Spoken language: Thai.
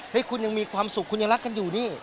ยังคุณยังมีความสุขคุณยังรักกันอยู่นี่